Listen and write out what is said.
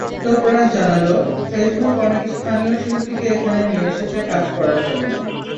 তোপরাজ জানাল, ফেসবুক অনেক স্থানীয় শিল্পীকে এখানে নিয়ে এসেছে কাজ করার জন্য।